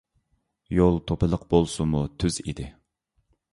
يول توپىلىق بولسىمۇ تۈز ئىدى.